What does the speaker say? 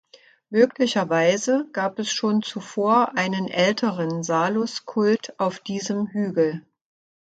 Möglicherweise gab es schon zuvor einen älteren Salus-Kult auf diesem Hügel.